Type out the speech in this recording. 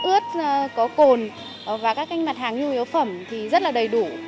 các mặt hàng có cồn và các mặt hàng nhu yếu phẩm thì rất là đầy đủ